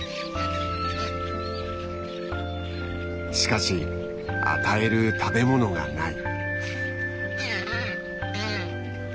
しかし与える食べものがない。